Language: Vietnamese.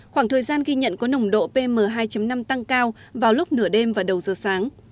khoảng thời gian ghi nhận có nồng độ pm hai năm tăng cao vào lúc nửa đêm và đầu giờ sáng